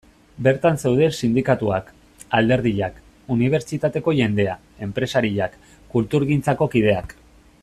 Bertan zeuden sindikatuak, alderdiak, unibertsitateko jendea, enpresariak, kulturgintzako kideak...